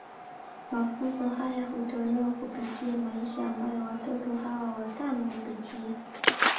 Mafunzo haya hutolewa kupitia maisha ambayo watoto hawa watano hupitia.